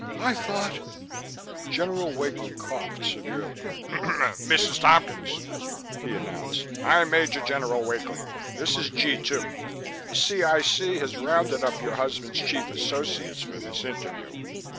"I thought " General Wakely coughed, severely. "Mrs. Tompkins," he announced, "I'm Major General Wakely. This is G 2. The C.I.C. has rounded up your husband's chief associates for this interview.